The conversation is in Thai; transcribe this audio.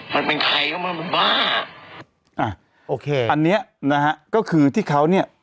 มันเป็นใครก็มาบ้าอ่ะโอเคอันเนี้ยนะฮะก็คือที่เขาเนี่ย